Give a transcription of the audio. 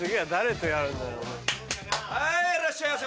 いらっしゃいませ！